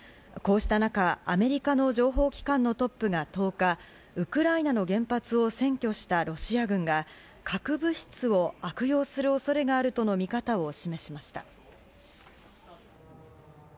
こうした中、アメリカの情報機関のトップが１０日、ウクライナの原発を占拠したロシア軍が核物質を悪用する恐れがあるとの見方を示しました。